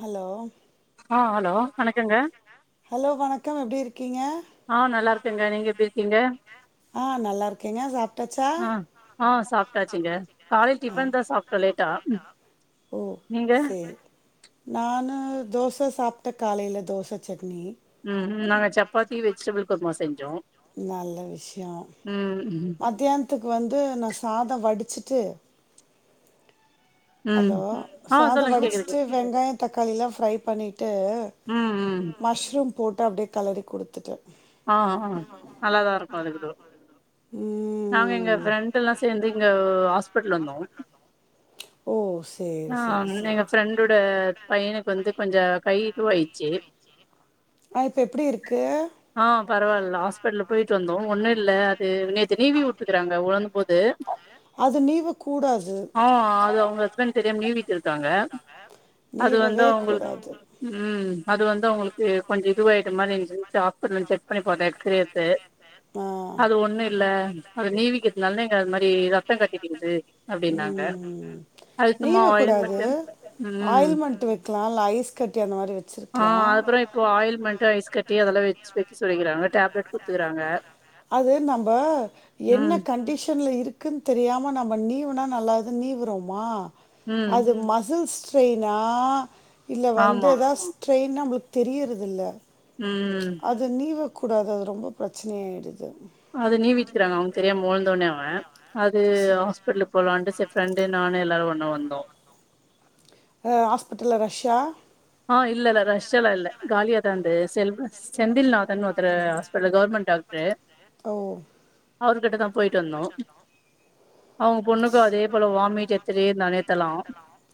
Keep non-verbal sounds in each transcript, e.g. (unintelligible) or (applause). Hello ஆ hello வணக்கங்க hello வணக்கம் எப்டி இருக்கீங்க ஆ நல்லா இருக்கங்க நீங்க எப்டி இருக்கீங்க ஆ நல்லா இருக்கேங்க சாப்ட்டாச்சா ஆ ஆ சாப்பிட்டாச்சுங்க காலை டிஃபன்தா சாப்ட் அப்ப லேட்டா ஓ நீங்க சேரி நானு தோச சாப்ட காலையில தோச சட்னி ம் நாங்க சப்பாத்தி வெஜிடபிள் குர்மா செஞ்சோ நல்ல விஷ்யொ ம் ம் மதியானத்துக்கு வந்து நா சாதொ வடிச்சுட்டு ம் ஹலோ ஆ சாதொ சொல்லுங்க கேக்குது வடிச்சிட்டு வெங்காயொ தக்காளிலா ஃப்ரை பண்ணிட்டு ம் ம் மஷ்ரூம் போட்டு அப்டியே கெலரி குடுத்துட்டே ஆ ஆ நல்லாதா இருக்கு அதுக்குட நாங்க எங்க ஃப்ரெண்டெல்லா சேந்து இங்க ஹாஸ்பிட்டல் வந்தோ ஓ! சரி, ஆ சரி, சரி. எங்க ஃப்ரெண்டோட பையனுக்கு வந்து கொஞ்சொ கை இதுவாயிச்சு ஆ இப்ப எப்டி இருக்கு ஆ பரவால்ல ஹாஸ்பிடல் போயிட்டு வந்தோ ஒன்னு இல்ல அது நேத்து நீவி வுட்டுக்கறாங்க உழுந்த போது அது நீவ கூடா ஆ அது அவங்க ஹஸ்பண்ட் தெரியாம நீவிட்ருக்காங்க நீவவே கூடாது உம் அது வந்து அவங்களுக்கு கொஞ்ச இதுவாயிட்ட மாரி இருஞ்சின்ட்டு ஹாஸ்பிடல் வந்து செக் பண்ணி பாத்தே கிரியத்த ஆ. அது ஒண்ணு இல்ல அது நீவிக்கிறதுனால இங்க அந்த மாரி ரத்த கட்டிக்கிது அப்டினாங்க ம். அழுத்தமா ஆயில் மட்டு ஆயில்மென்ட் வெக்கலா இல்ல ஐஸ் கட்டி அந்த மாரி ஆ வெச்சிருக்லா அதுக்கப்றோ இப்போ ஆயில்மென்ட் ஐஸ் கட்டி அதெல்லா வெச்சு வெக்க சொல்லிக்கிறாங்க டேப்லெட் குடுத்துக்குறாங்க அது நம்ப என்ன ம் கண்டிஷன்ல இருக் க்கு தெரியாம நம்ப நீவுனா நல்லதுனு நீவுறோமா ம் அது மசில்ஸ் பெய்னா இல்ல வந்து ஆமா எதா ஸ்ரெயின் நம்மளுக்கு தெரியறதில்ல உம் அத நீவக்கூடாது அது ரொம்ப பிரச்சனையா யிடுது அது நீவிட்ருக்காங்க அவங்க தெரியாம உழுந்தோனே அவ அது ஹாஸ்பிடலுக்கு போலான்டு ச ஃப்ரெண்டு நானு எல்லாரு ஒண்ணா வந்தோ அ ஹாஸ்பிட்டல்ல ரஷ்ஷா அ இல்லல்ல ரஷ்ஷெல்லா இல்ல காலியாதா இந்த செல் செந்தில்நாதன் னு ஒருத்தரு ஹாஸ்பிடல் கவர்மெண்ட் டாக்ட்ரு ம் அவர் கிட்டதா போய்ட்டு வந்தோ அவங்க பொண்ணுக்கு அதே போல வாமிட் எடுத்துட்டே இருந்தா நேத்தெல்லா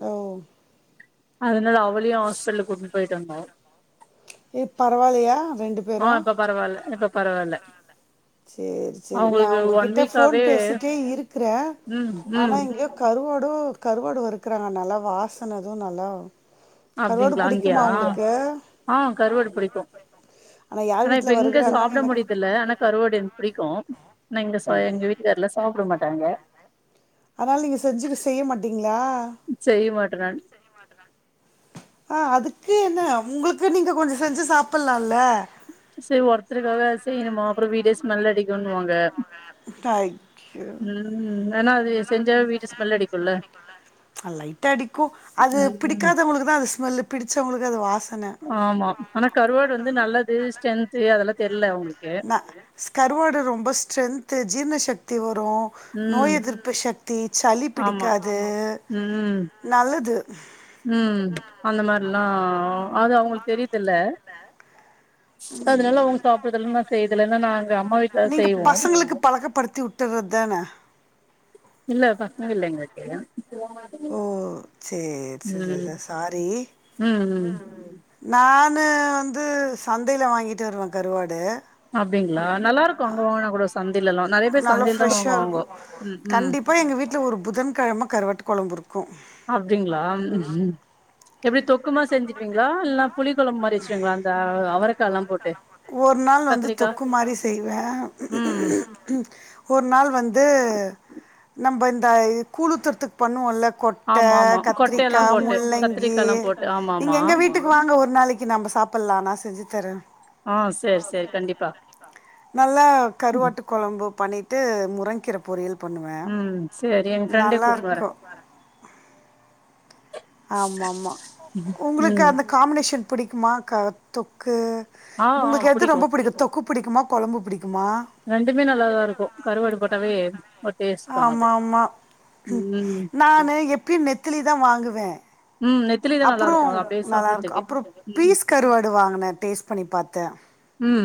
ஓ அதனால அவளையு ஹாஸ்பிட்டல் கூட்டுனு போயிட்டு வந்தோ இப் பரவால்லயா ரெண்டு ஆ பேரு இப்ப பரவால்ல இப்ப பரவால்ல செரி செரி நா அவங்களுக்கு ஒன் உங்ககிட்ட போன் வீக்காவே பேசிட்டே இருக்கறே ம் ஆனா ம் இங்க கருவாடோ கருவாடு வறுக்குறாங்க நல்லா வாசனது நல்லா கருவாடு அப்டிங்களா புடிக்குமா அங்கயா உங்களுக்கு ஆ கருவாடு புடிக்கு யார் ஆனா வீட்ல இப்ப இங்க வறுக்குறாங்கன்னு சாப்பட எனக்கு முடியுறதில்ல ஆனா கருவாடு எனக்கு புடிக்கு நா இங்க சா எங்க வீட்டுக்கார்ல சாப்பட மாட்டாங்க அப்டிங்களா செய்ய மாட்டே நானு ஆ அதுக்கு என்ன உங்களுக்கு நீங்க கொஞ்ச செஞ்சு சாப்பலால்ல சேரி ஒருத்தருக்காக செய்யணுமா அப்பற வீடே ஸ்மெல் அடிக்குணுவாங்க முட்டாய் ம் ஏன்னா அது செஞ்சா வீடு ஸ்மெல் அடிக்குல லைட்டா அடிக்கு அது ம் பிடிக்காதவங்களுக்கு தா அது ஸ்மெல்லு பிடிச்சவங்களுக்கு அது வாசனை ஆமா ஆனா கருவாடு வந்து நல்லது ஸ்ட்ரென்து அதெல்லா தெரில இவங்களுக்கு ந ஸ்கர்வாடு ரொம்ப ஸ்ட்ரென்த்து ஜீர்ண சக்தி வரு ம் நோய் எதிர்ப்பு சக்தி சளி ஆமா பிடிக்காது ம் நல்லது ம் அந்த மாரில்லா அது அவங்களுக்கு தெரியதுல்ல ம் சாப்புறதுல்ல நா செய்யறதுல்ல ஏன்னா நாங்க அம்மா வீட்ல நீங்க செய்வோ பசங்களுக்கு பழகப்படுத்தி உட் ட்டுறது தான இல்ல பசங்க இல்ல எங்கிட்டயு ஓ சேரி சே சே சாரி ம் ம் நா வந்து சந்தையில வாங்கிட்டு வருவே கருவாடு அப்டிங்களா நல்லா இருக்கு அங்க வாங்குனா கூட சந்தைலலா நெறைய பேர் நல்லா சந்தைல தா ஃப்ரெஷ் இருக்கு வாங்குவாங்கோ ம் ம் கண்டிப்பா எங்க வீட் ஒரு புதன்கெழமை கருவாட்டு கொழம்பு இருக்கு அப்டிங்களா எப்டி தொக்கு மாரி செஞ்சிருவீங்களா இல்னா புளி கொழம்பு மாரி வச்சிருவீங்களா அந்த அவரக்கால்லா போட்டு ஒரு நாள் வந்து கத்திரிக்கா தொக்கு மாரி செய்வே ம் ஒரு நாள் வந்து நம்ப இந்த கூலுத்தர்த்துக் பண்ணுவோல்ல கொட்ட ஆமா ஆமா கொட்டையெல்லா கத்திரிக்கா போட்டு முள்ளங்கி கத்திரிக்கால்லா போட்டு ஆமா நீங்க ஆமா எங்க வீட்டுக்கு வாங்க ஒரு நாளைக் கி நம்ம சாப்புட்லா நா செஞ்சு தரே ஆ சேரி சேரி கண்டிப்பா நல்லா கருவாட்டு கொழம்பு பண்ணிட்டு முறங்கீர பொரியல் பண்ணுவே ம் சேரி எங்க ஃப்ரண்ட கூப்ட்டு வரே நல்லாருக்கு ஆமா ஆமா உங்களுக்கு ம் அந்த காம்பினேஷன் பிடிக்குமா க தொக்கு ஆ ஆ உங்களுக்கு எது ரொம்ப புடிக்கு தொக்கு பிடிக்குமா கொழம்பு புடிக்குமா ரெண்டுமே நல்லாதா இருக்கு கருவாடு போட்டாவே ஒரு டேஸ்ட் தா அது ஆமா ஆமா ம் நானு எப்பயு நெத்திலி தா வாங்குவே ம் நெத்திலி தா நல்லா அப்பறோ இருக்கு அது அப்டியே நல்லாருக்கு சாப்ட்றதுக்கு அப்பறோ ம் பீஸ் கருவாடு வாங்குனே டேஸ்ட் பண்ணி பாத்தே ம்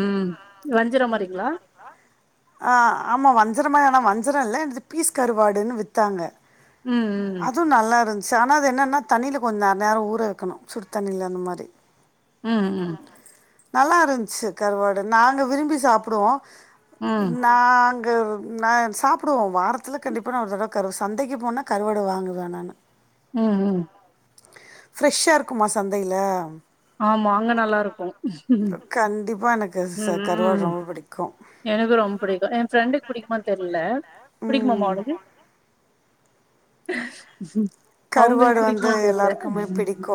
ம் வஞ்சிரமாரிங்களா ஆ ஆமா வஞ்சரமா ஆனா வஞ்சர இல்ல எனது பீஸ் கருவாடுன்னு வித்தாங்க ம் அதுவு நல்லா இருந்ச்சு ஆனா என்னன்னா தண்ணியில கொஞ்ச நேர ஊற வைக்கணு சுடு தண்ணில அந்த மாரி ம் ம் ம் நல்லா இருந்துச்சு கருவாடு நாங்க விரும்பி சாப்புடுவோ ம் நான் அங்க நா சாப்புடுவோ வாரத்தில கண்டிப்பா நா ஒரு தடவ கருவா சந்தைக்கு போனா கருவாடு வாங்குவே நானு ம் ம் ஃப்ரெஷ்ஷா இருக்குமா சந்தையில ஆமா அங்க நல்லா இருக்கு ம் கண்டிப்பா எனக்கு ச கருவாடு ம் ரொம்ப பிடிக்கு எனக்கு ரொம்ப பிடிக்கு எ ஃப்ரெண்டுக்கு பிடிக்குமான் தெர்ல பிடிக்குமாமா ம் உனக்கு கருவாடு அவுங்களுக்கு வந்து புடிக்குமான் தெர்ல எல்லாருக்குமே பிடிக்கு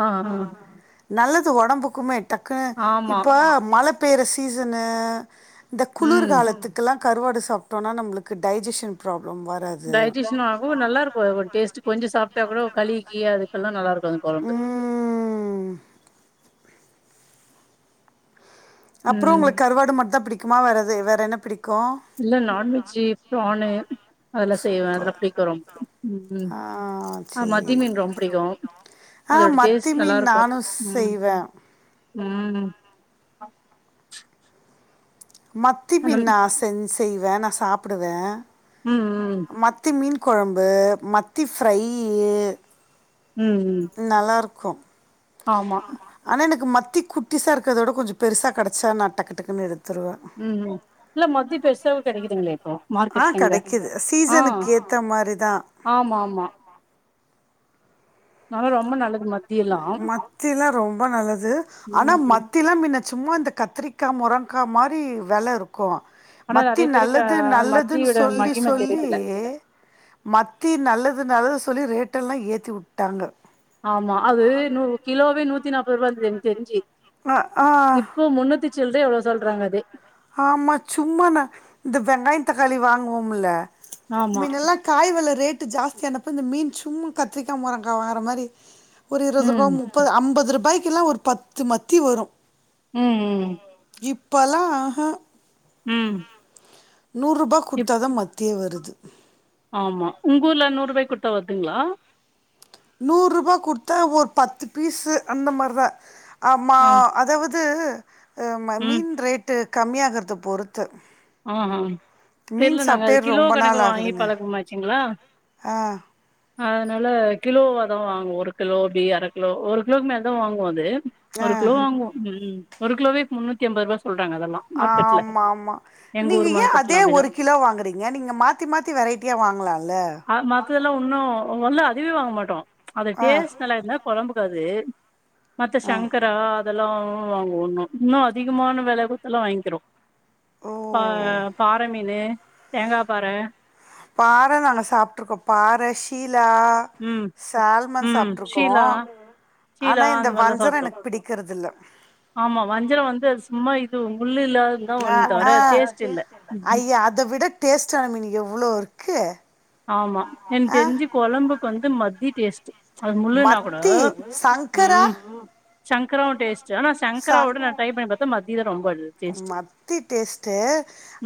ஆ அ ஆ நல்லது ஒடம்புக்குமே டக்கு ஆமா இப்ப மழ பேயிற சீசனு இந்த ம் குளிர்காலத்துக்கல்லா கருவாடு சாப்டோனா நம்மளுக்கு டைஜஷன் ப்ராப்ளம் வ டைஜஷனு ஆகு நல்லா இருக்கு டேஸ்டு கொஞ்ச சாப்ட்டா கூட கழிக்கி அதுக்கல்லா நல்ல இருக்கு அந்த கொழம்பு ம் அப்பறோ ம் உங்களுக் கருவாடு மட்டுதா பிடிக்குமா வேறு எது வேற என்ன பிடிக்கு இல்ல நான் வெஜ்ஜி ப்ரானு அதல்லா செய்வ அதலா பிடிக்கு ரொம் உ ஆ ஆ மத்தி சேரி மீன் ரொம்ப புடிக்கு ஆ அதோட மத்தி டேஸ்ட் நல்லா மீன் இருக்கு நானு ம் செய்வே ம் மத்தி அந்த மீன் நா சென் செய்வ நா சாப்புடுவே ம் ம் மத்தி மீன் கொழம்பு மத்தி ஃப்ரையீ ம் ம் நல்லாயிருக்கு ஆமா அனா எனக்கு மத்தி குட்டிசா இருக்கறத விட கொஞ்சோ பெருசாக கெடச்சா நா டக்கு டக்குன்னு எடுத் ம் ம் இல்ல மத்தி பெருசாவு கெடைக்குதுங்களே இப்போ ஆ மார்க்கெட்லங்க கெடைக்குது சீசனுக்கு ஏத்த மாரி தா ஆம்மாம்மா நா லா ரொம்ப நல்லது ம மத்திலா ரொம்ப நல்லது அனா ம் மத் தில மின்ன சும்மா இந்த கத்திரிக்கா முரங்கா மாரி வெல இரு க்கு ஆனா மத்தி நெறைய பேருக்கு நல்லது அஹ், நல்லதுன்னு மத்தியோட சொல்லி மகிம சொல்லி தெரியுதுல மத்தி நல்லது நல்லது சொல்லி ரேட்டெல்லா ஏத்திவுட்டாங்க ஆமா அது நு கிலோவே நூத்தி நாற்பது ருவா இருந்துது எனக் தெரிஞ்சி அ ஆ இப்ப முன்னூத்தி சில்ற எவ்வளோ சொல்றாங்க அதே ஆமா சும்மா ந இந்த வெங்காயோ தக்காளி வாங்குவோம்முல்ல ஆமா மின்னல்ல காய் வெல ரேட்டு ஜாஸ்தியானப்ப இந்த மீன் சும்மா கத்திரிக்கா முரங்கா வாங்கற மாரி ஒரு இருபது ரூபா ம் முப்பது ஐம்பது ரூபாய்க்குலா ஒரு பத்து மத்தி வரு ம் ம் இப்பல்லா ஆஹா ம் நூற்ருபா இப் குடுத்தா தா மத்தியே வருது ஆமா உங்க ஊர்ல நூறு ரூபாய்க்கு குடுத்தா வருதுங்களா நூற்ருபா குடுத்தா ஒரு பத்து பீஸு அந்த மார்தா ஆம்மா ஆ அதாவது அ ம ம் மீன் ரேட்டு கம்மியாகறது பொறுத்து ம் ம் மீன் தெரில நாங்க சாப்பிட்டே அது கிலோ ரொம்ப நாள் கணக்குல வாங்கி ஆகுதுங்க பழக்கமாச்சுங்களா ஆ அதனால கிலோ வா தா வாங்கு ஒரு கிலோ அப்டி அர கிலோ ஒரு கிலோக்கு மேல தா வாங்குவோ அது ஆ ஒரு கிலோ வாங்குவோ ம் ஒரு கிலோவே முன்னூத்தி ஐம்பது ருபா சொல்றாங்க அதல்லா மார்க்கெட்ல மாம்மா எங்க நீங்க ஊர் ஏ அதே மார்க்கெட்லாம் ஒரு அப்டிதான் கிலோ வாங்குறீங்க நீங்க மாத்தி மாத்தி வெரைட்டியா வாங்கலால்ல அ மத்ததல்லா உன்னு வல்ல அதுவே வாங்க மாட்டோ அது ஆ டேஸ்ட் (unintelligible) கொழம்புக்கு அது மத்த சங்கரா அதல்லா ம் வாங்கு ஒன்னு இன்னு அதிகமான வெல குத்தெல்லா வாங்கிறோ பா ஓ பாற மீனு தேங்கா பாற பாறை நாங்க சாப்பட்டுருக்கோ பாற ஷீலா ம் சால்மன் ம் சாப்ட்டுருக்கோ ஷீலா ஷீலா ஆனா இந்த அந்த மாரிலாம் வஞ்சரோ சாப்ட்டோம் எனக் பிடிக்கறதில்ல ஆமா வஞ்சரம் வந்து அது சும்மா இது முள்ளு இல்லாது ஆ ஆ ஐய அத விட டேஸ்ட்னான மீனு எவ்ளோ இருக்கு ஆமா எனக் ஆ தெரிஞ்சு குழம்புக்கு வந்து மத்தி டேஸ்ட் அது முள்ளூனா கூட மத்தி சங்கரா ம் சங்கராவு டேஸ்ட் ஆனா சங் சங்கராவோட நா ட்ரை பண்ணி பாத்தா மத்தி தா ரொம்ப டேஸ்ட் மத்தி டேஸ்ட்டு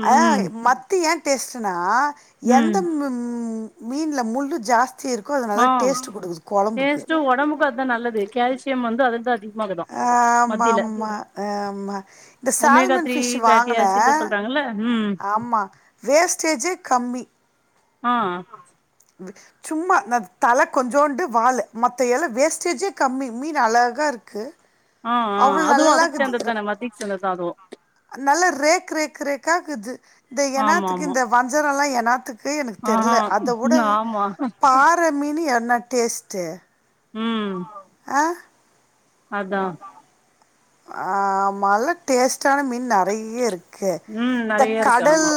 ம் மத்தி ஏ டேஸ்ட்டுன்னா எந்த ம் மீன்ல முள்ளு ஜாஸ்தி இருக்கோ அதுநலா டேஸ்ட் குடுக்குது கொழம்புக்கு டேஸ்ட் உடம்புக்கு அதுதா நல்லது கோல்சியம் வந்து அது தா அதி ஆமா ஆமா அ ஆமா இந்த omega salmon three fish fatty வாங்கனே ஆசிட்லா சொல்றாங்கல்ல ம் ஆமா வேஸ்ட்டேஜே கம்மி ஆ (unintelligible) சும்மா ந தலை கொஞ்சோண்டு வாாலு மற்ற இல்லா வேஸ்ட்டேஜே கம்மி மீன் அழகா இருக்கு ஆ ஆ அவ்ளோ அதுவு அதுக் நல்லாக்குது இருக்குது. சேந்ததுதானே ர- மத்திக்கு சேந்ததுதா அதுவு நல்லா ரேக் ரேக் ரேக்காகக்குது இந்த ஆமா எனாத்துக்கு ஆமா இந்த வஞ்சரல்லா எனாத்துக் கு எனக் ஆஹா தெர்ல அத வுட ம், ஆமா பாற மீனு என்னா டேஸ்ட்டு ம் ஆ அதா ஆமால டேஸ்ட்டான மீன் நெறைய இருக் கு ம் நெறைய இருக்கு இந்தக்கடல் ஆமா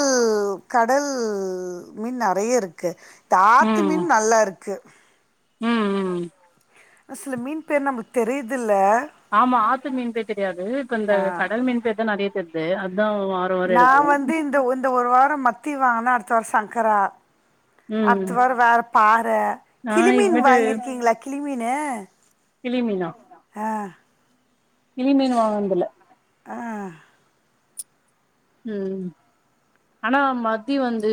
கடல் மீன் நெறைய இருக்கு இந்த ஆத்து ம் மீன் நல்லா இருக்கு ம் ம் சில மீன் பேர் நமளுக் தெரியுர்தில்ல ஆமா ஆத்து மீன் பேர் தெரியாது இப்ப இந்த கடல் மீன் பேர் தா நெறைய தெர்து அதா வார நா எடுக்கு வந்து இந்த இந்த ஒரு வாரோ மத்தி வாங்கனா அடுத்த வாரோ சங்கரா ம் அத்தவாரோ வேற பாற நானு கிளிமீன் இதுமேட்டு வாங்கிருக்கீங்களா கிளிமீனு கிளிமீனா ஆ கிளிமீன் வாங்கனதில்ல ஆ ம் ஆனா மத்தி வந்து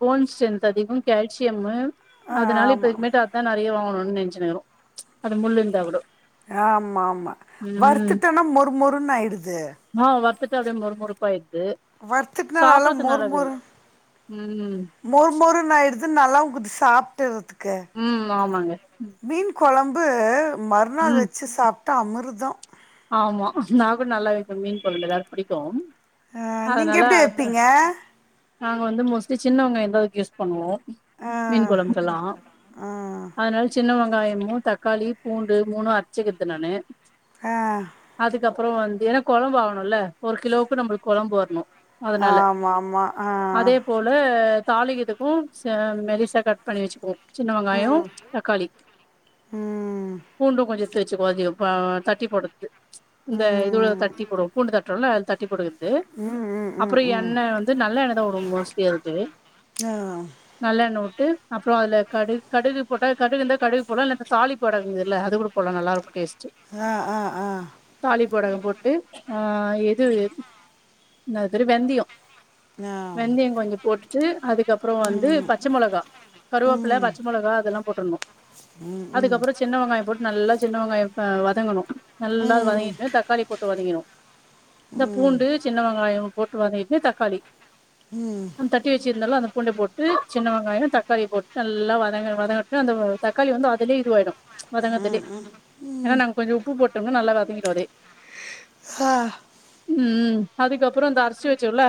போன் ஸ்ட்ரென்த் அதிகம் கேல்சியமு ஆ அதனால ஆமா இப்பிதுக்குமேட்டு அதா நெறைய வாங்குணுனு நெனைச்சினுக்றோ அது முள்ளு இருந்தாகுட ஆம ஆமா வருத்துட்டனா மொறுமொறுன்னு ஆயிடுது ஆ வருத்துட்டு அப்டியே முறுமுறுப் பாயிறுது வருத்துக்குனா நல்லா மொர் மொரு ம் மொர் மொருநாயிருது நல்லா எடுத் சாப்ட்டறதுக்கு ம் ஆமாங்க மீன் குழம்பு மறுநாள் ம் வச்சு சாப்ட்டா அமிர்தோ ஆமா நா கூட நல்லா வெப்பே மீன் குழம்பு எல்லாருக் புடிக்கு ஆ நீங்க அதனால எப்டி (unintelligible) வைப்பீங்க நாங்க வந்து மோஸ்ட்லி சின்னவங்காயந்தா எதாக்கு யூஸ் பண்ணுவோ ஆ மீன் குழம்புக்கெல்லாம் ஆ அதனால சின்ன வெங்காயமு தக்காளி பூண்டு மூணு அர்ச்சுக்து நானு ஆ அதுக்கப்புறோ வந்து ஏன்னா குழம்பு ஆகணுல்ல ஒரு கிலோவுக்கு நம்மளுக்கு கொழம்பு வர்ணு ஆமாமா ஆ த தாளிகிதுக்கு ச மெளிசா கட் பண்ணி வச்சுக்வோ சின்ன வெங்காயோ ம் தக்காளி ம் பூண்டு கொஞ்சோ வச்சு கொ தி எப்போ தட்டி போடு இந்த இதுள்ள ம் தட்டி போடுவோ பூண்டு தட்டறோல்ல அது தட்டி போடுகிது ம் ம் அப்பிறோ ம் ம் என்ன வந்து நல்ல என்னத வரு மோஸ்லியா அதுக்கு ஆ நல்லெண்ண வுட்டு அப்புறோ அதுல கடு கடுகு போட்டா கடுகுந்த கழுகு போட்டா இல்ல தாலி போடது இல் அது கூட போல நல்ல இருக்கு டேஸ்ட் ஆ ஆ ஆ தாலி பொடஹ போட்டு ஆ எது என்து வெந்தியோ ஆ போட்டுட்டு அதுக்கப்புறோ வந்து பச்சமுளகா கருவாப்புல ம் பச்ச மொளகா அதெல்லா போட்றுனு அதுக்கப்புறோ சின்ன வெங்காயோ போட்டு நல்லா சின்ன வெங்காயோ பெ வதங்கணு நல்லா அது ம் வநங்கிட்டு தக்காளி போடு போட்டு வதகினு இந்த பூண்டு சின்ன வெங்காயோ போட்டு வதகிட்டு தக்காளி ம் இடிச்சி வச்சிருந்தலு அந்த பூண்ட போட்டு சின்ன வெங்காயோ தக்காளிய போட்டு நல்லா வதங்க வதங்ட்டுனு அந்த வ தக்காளி வந்து அதுலே இது வாயிடு வதங்கறதுலே ஏன்னா நாங்க கொஞ்சோ உப்பு போட்டோம்னா நல்லா வதங்கிடு அதே சார் ம் அதுக்கப்புறோ அந்த அர்ஸ்சு வச்சோல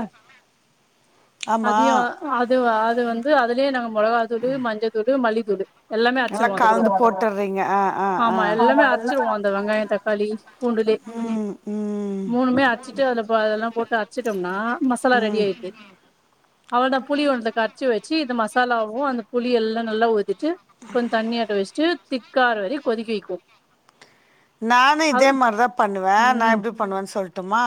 ஆமா அதையு அ அ அதுவ அது வந்து அதுலயே நாங்க மொளகா தூளு மஞ்ச தூளு மல்லித்தூளு எல்லாமே நல்லா அரசிருவோ அது கூடோ கலந்து போட்டுறீங்க ஆ ஆ ஆமா ஆ எல்லாமே அரைச்சிருவோ அந்த வெங்காயோ தக்காளி காளி பூண்டுலே ம் ம் மூணுமே அரசிட்டு அதுல அதெல்லா போட்டு அரச்சுட்டோம்னா மசாலா ரெடி ம் ஆயிது அவ்ளதா புளி ஒன்னுள கரைச்சி வச்சி இந்த மசாலாவு அந்த புளி எல்லா நல்லா ஊதிட்டு கொஞ்சோ தண்ணியாட்ட வச்சிட்டு திக்காகர வர கொதிக்க வெக்கு நானு இதே மாரிதா பண்ணுவே நா ம் எப்டி பண்ணுவேனு சொல்டுமா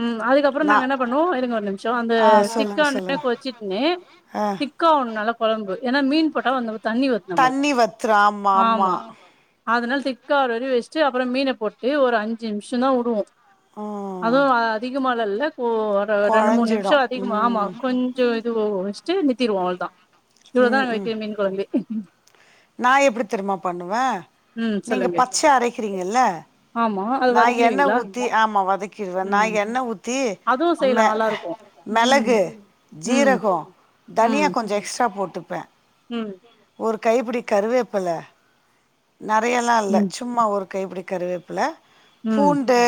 ம் அதுக்கப்புறோ நாங்க என்ன பண்ணுவோ இருங்க ஒரு நிமிஷோ அந்த ஆ சொல்லுங்க திக்கானே சொல்லுங்க கொச்சிக்கினே திக் ஆ திக்கா ஒ நல்லா குழம்பு ஏனா மீன் போட்டா வந்து தண்ணி வரு நம்மளுக்கு தண்ணி வத்துரு ஆமா ஆமா அதனால திக் ஆவரவரையு வெச்ட்டு அப்புறோ மீன போட்டு ஒரு அஞ்சு நிம்ஷோ தா வுடுவோ ம் அதுவு அதிகமாலல்ல ஒரு ரெண்டு மூணு கொழஞ்சிடு நிமிஷோ அதிகமா ஆமா ம் கொஞ் கொஞ்சோ இதுவோ வச்ட்டு நித்திருவோ அவ்ளதா இவ்ளதா ம் நாங்க ம் வெக்கிற மீன் கொழம்பே நா எப்படி தெருமா பண்ணுவே ம் நீங்க பச்சையா அரைக்கிறீங்கல ஆம்மா அது வதக்கிடுவீங்களா தி ஆமா வதக் கிருவ நா ம் எண்ண ஊத்தி அதுவு செய்யலா மெ நல்லா இருக்கு ம் மெளகு ம் ஜீரகோ தனியா ம் கொஞ்சோ எக்ஸ்ட்ரா போட்டுப்ப ம் ஒரு கைப்பிடி கருவேப்பல நெறையாலா இல்ல ம் சும்மா ஒரு கைப்பிடி கறிவேப்பில ம் பூண்டு